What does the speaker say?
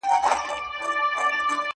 o ټولو پردی کړمه؛ محروم يې له هيواده کړمه.